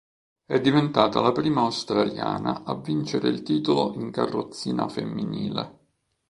È diventata la prima australiana a vincere il titolo in carrozzina femminile.